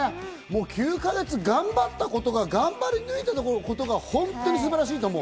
９か月頑張ったことが頑張り抜いたことが本当に素晴らしいと思う。